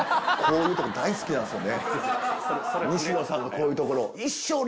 西野さんのこういうところ。